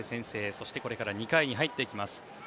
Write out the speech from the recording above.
そして、これから２回に入っていきます。